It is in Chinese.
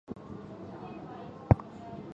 股票市场是股票发行和交易的场所。